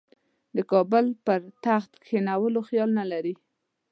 د کابل پر تخت کښېنولو خیال نه لري.